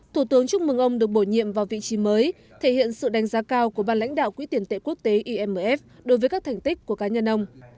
thủ tướng chúc mừng ông được bổ nhiệm vào vị trí mới thể hiện sự đánh giá cao của ban lãnh đạo quỹ tiền tệ quốc tế imf đối với các thành tích của cá nhân ông